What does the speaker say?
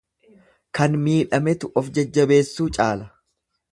Kan miidhametu of jajjabeessuu caala.